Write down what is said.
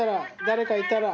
誰かいたら。